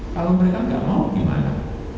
kalau mereka nggak mau gimana